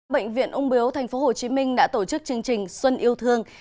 bệnh viện ung biếu tp hcm đã tổ chức chương trình xuân yêu thương